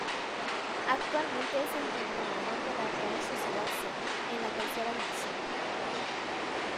Actualmente es el entrenador de la Real Sociedad C, en la Tercera División.